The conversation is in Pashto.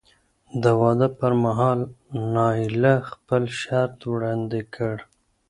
د واده پر مهال نایله خپل شرط وړاندې کړ.